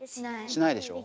しないでしょ？